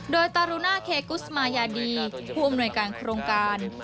โดยตารุณาเคกุศมายาดีผู้อำนวยการโครงการ